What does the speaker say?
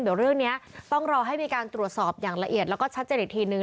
เดี๋ยวเรื่องนี้ต้องรอให้มีการตรวจสอบอย่างละเอียดแล้วก็ชัดเจนอีกทีนึง